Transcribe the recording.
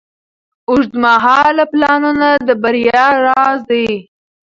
اوږدمهاله پلانونه د بریا راز دی.